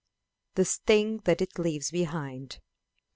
The Sting that it leaves behind.